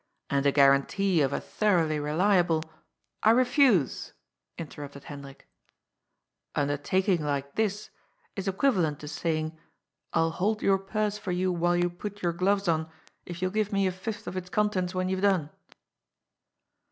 And a guarantee of a thoroughly reliable "" I refuse," interrupted Hendrik. "Undertaking like this is equivalent to saying: '*ni hold your purse for you while you put your gloves on, if youll give me a fifth of its contents, when you've done.'"